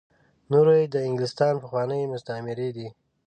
نور یې د انګلستان پخواني مستعميري دي.